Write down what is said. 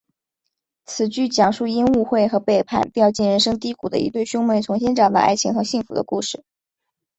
此剧讲述因误会和背叛掉进人生低谷的一对兄妹重新找到爱情和幸福的故事。